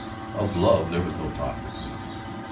Of love there was no talk between them.